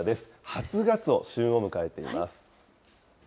初ガツオ、旬を迎えています。